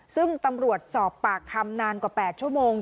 ซึ่งตำรวจสอบปากคำนานกว่า๘ชั่วโมง